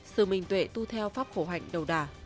sự minh tuệ tu theo pháp khổ hạnh đầu đà